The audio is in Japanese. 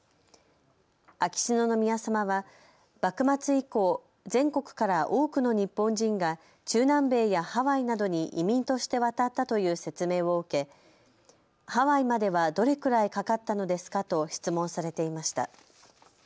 秋篠宮さまは幕末以降、全国から多くの日本人が中南米やハワイなどに移民として渡ったという説明を受け、ハワイまではどれくらいかかったのですかと質問されていました。